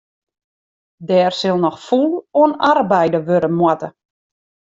Dêr sil noch fûl oan arbeide wurde moatte.